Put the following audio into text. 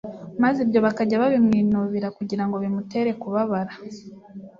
maze ibyo bakajya babimwinubira kugira ngo bimutere kubabara.